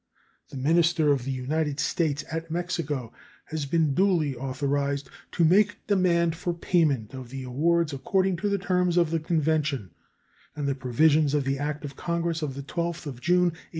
The minister of the United States at Mexico has been duly authorized to make demand for payment of the awards according to the terms of the convention and the provisions of the act of Congress of the 12th of June, 1840.